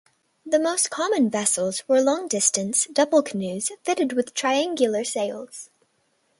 The most common vessels were long-distance double-canoes fitted with triangular sails.